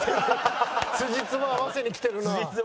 つじつま合わせにきてるな。